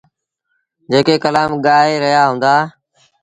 جيڪي ڪلآم ڳآئي رهيآ هُݩدآ۔